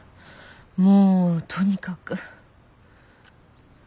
もうとにかく。